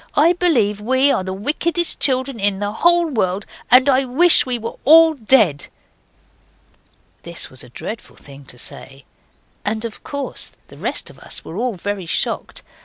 I believe we are the wickedest children in the whole world, and I wish we were all dead!' This was a dreadful thing to say, and of course the rest of us were all very shocked.